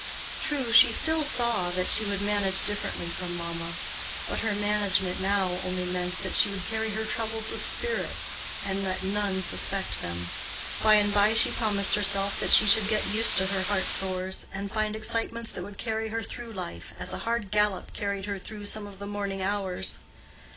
True, she still saw that she would "manage differently from mamma;" but her management now only meant that she would carry her troubles with spirit, and let none suspect them. By and by she promised herself that she should get used to her heart sores, and find excitements that would carry her through life, as a hard gallop carried her through some of the morning hours.